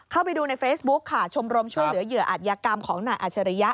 เข้าไปดูในเฟซบุ๊คค่ะชมรมช่วยเหลือเหยื่ออัตยกรรมของนายอัชริยะ